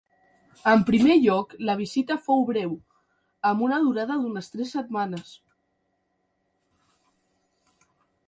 En primer lloc, la visita fou breu, amb una durada d'unes tres setmanes.